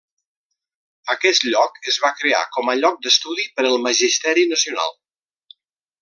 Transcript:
Aquest lloc es va crear com a lloc d'estudi per al magisteri nacional.